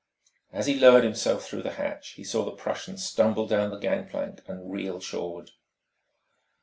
As he lowered himself through the hatch he saw the Prussian stumble down the gangplank and reel shoreward.